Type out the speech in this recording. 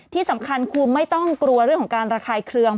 ที่สำคัญคือไม่ต้องกลัวเรื่องของการระคายเครื่อง